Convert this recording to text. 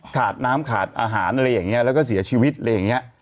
ขาดน้ำขาดอาหารอะไรอย่างนี้แล้วก็เสียชีวิตอะไรอย่างนี้